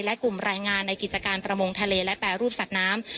และกลุ่มรายงานในกิจการประมงทะเลและแปรรูปสัตว์น้ำ